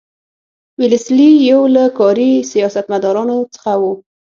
ویلسلي یو له کاري سیاستمدارانو څخه وو.